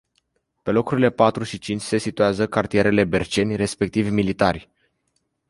Pe locurile patru și cinci se situează cartierele Berceni, respectiv Militari.